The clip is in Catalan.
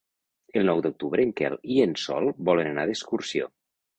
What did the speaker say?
El nou d'octubre en Quel i en Sol volen anar d'excursió.